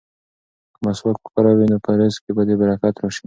که مسواک وکاروې نو په رزق کې به دې برکت راشي.